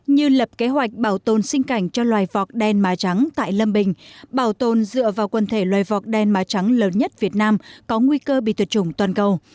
như lập kế hoạch bảo tồn sinh cảnh cho loài vọc đen má trắng tại lâm bình bảo tồn dựa vào quần thể loài vọc đen má trắng lớn nhất việt nam có nguy cơ bị tuyệt chủng toàn cầu